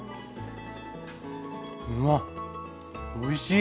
うわっおいしい！